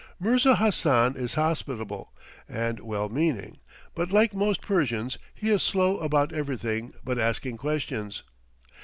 Mirza Hassan is hospitable and well meaning, but, like most Persians, he is slow about everything but asking questions.